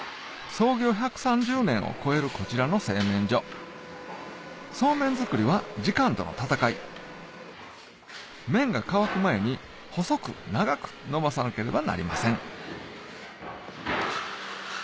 創業１３０年を超えるこちらの製麺所そうめん作りは時間との闘い麺が乾く前に細く長く延ばさなければなりません